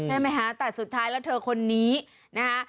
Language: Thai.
ใช่ไหมคะแต่สุดท้ายแล้วเธอคนนี้นะคะ